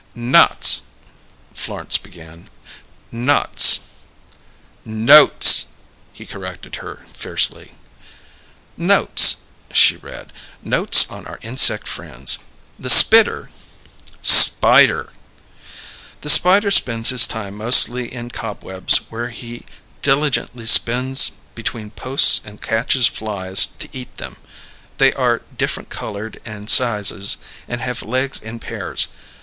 "'Nots'," Florence began. "'Nots' " "Notes!" he corrected her fiercely. "'Notes'," she read. "'Notes on our inseck friends. The spidder '" "Spider!" "'The spider spends his time mostly in cobwebs which he digilently spins between posts and catches flies to eat them. They are different coloured and sizes and have legs in pairs.